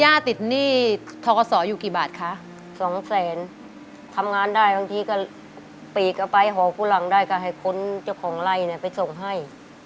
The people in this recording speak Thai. ติดหนี้ทกศอยู่กี่บาทคะสองแสนทำงานได้บางทีก็ปีกก็ไปหอผู้หลังได้ก็ให้ค้นเจ้าของไล่เนี่ยไปส่งให้